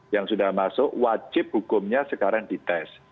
yang sudah masuk wajib hukumnya sekarang di tes